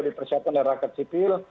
dipersiapkan oleh rakyat sipil